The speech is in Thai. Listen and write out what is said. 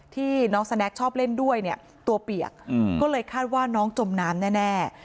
ที่น้องสแนคชอบเล่นด้วยเนี่ยตัวเปียกก็เลยคาดว่าน้องจมน้ำแน่